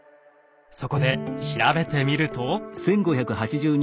そこで調べてみると。